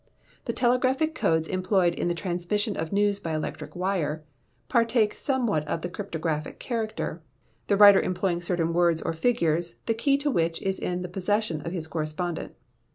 The telegraphic codes employed in the transmission of news by electric wire, partakes somewhat of the cryptographic character, the writer employing certain words or figures, the key to which is in the possession of his correspondent.